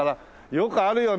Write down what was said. よくあるよね。